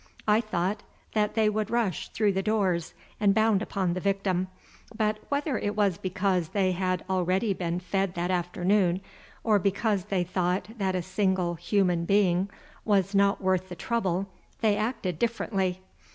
I thought that they would rush through the doors and bound upon the victim, but whether it was because they had already been fed that afternoon or because they thought that a single human being was not worth the trouble, they acted differently.